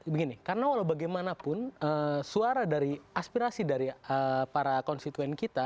begini karena walau bagaimanapun suara dari aspirasi dari para konstituen kita